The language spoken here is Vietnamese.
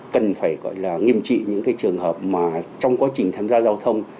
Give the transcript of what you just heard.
cần phải gọi là nghiêm trị những cái trường hợp mà trong quá trình tham gia giao thông